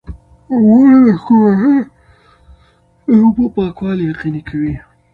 مور د کورنۍ د اوبو پاکوالی یقیني کوي.